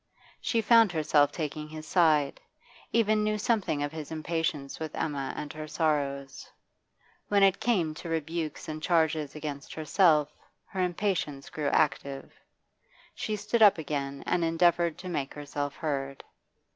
She found herself taking his side, even knew something of his impatience with Emma and her sorrows. When it came to rebukes and charges against herself her impatience grew active. She stood up again and endeavoured to make herself heard.